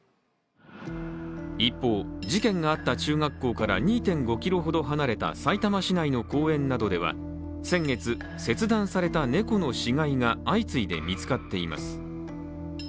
一方、事件があった中学校から２．５ｋｍほど離れたさいたま市内の公園などでは、先月切断された猫の死骸が相次いで見つかっています。